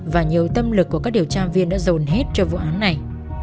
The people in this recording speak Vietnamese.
và nhiều tâm lực của các điều tra viên đã dồn hết cho vụ án này